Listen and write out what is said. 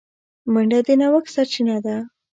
منډه د نوښت سرچینه ده